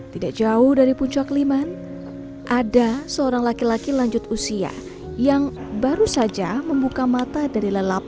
tidak jauh dari puncak liman ada seorang laki laki lanjut usia yang baru saja membuka mata dari lelap